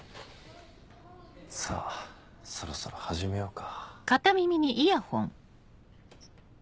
さぁそろそろ始めようか。